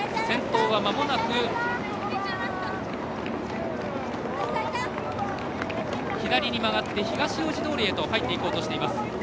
先頭はまもなく左に曲がって東大路通へと入っていこうとしています。